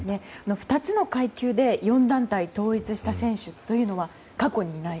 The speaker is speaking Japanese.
２つの階級で４団体統一した選手というのは過去にいない。